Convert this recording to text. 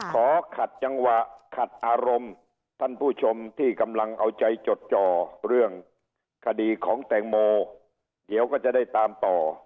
ขอขัดจังหวะขัดอารมณ์ท่านผู้ชมที่กำลังเอาใจจดจ่อเรื่องคดีของแตงโมเดี๋ยวก็จะได้ตามต่อ